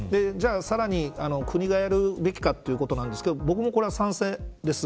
さらに国がやるべきかということなんですが僕もこれは賛成です。